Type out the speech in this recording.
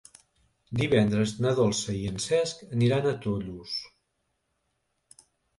Divendres na Dolça i en Cesc aniran a Tollos.